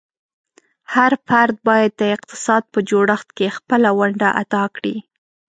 هر فرد باید د اقتصاد په جوړښت کې خپله ونډه ادا کړي.